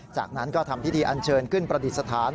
จากนั้นก็ทำพิธีอันเชิญขึ้นประดิษฐาน